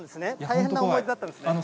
こんな思いだったんですね。